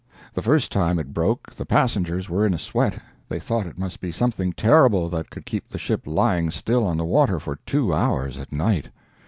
The first time it broke the passengers were in a sweat; they thought it must be something terrible that could keep the ship lying still on the water for two hours at night.